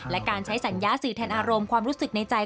และการใช้สัญญาสื่อแทนอารมณ์ความรู้สึกในใจ